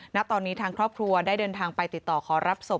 ณตอนนี้ทางครอบครัวได้เดินทางไปติดต่อขอรับศพ